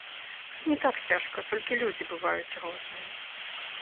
Тут не так цяжка, толькі людзі бываюць розныя.